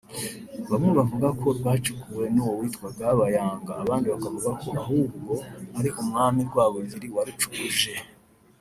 Bamwe bavuga ko rwacukuwe n’uwo witwaga "Bayanga" abandi bakavuga ko ahubwo ari umwami Rwabugiri warucukuje